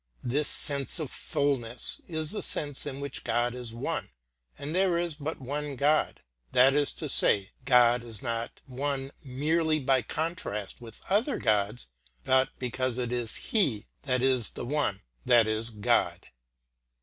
This sense of fulness is the sense in which God is one, and there is but one God that is to say, God is not one merely by contrast with other gods, but because it is He that is the One, that is, God.